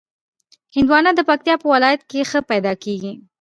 هندوانه د پکتیا په ولایت کې ښه پیدا کېږي.